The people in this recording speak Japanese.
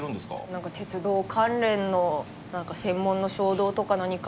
なんか鉄道関連の専門の衝動とか何か。